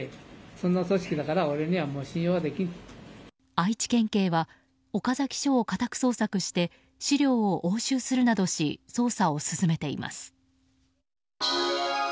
愛知県警は岡崎署を家宅捜索して資料を押収するなどし捜査を進めています。